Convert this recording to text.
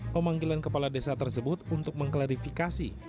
pemanggilan kepala desa tersebut untuk mengklarifikasi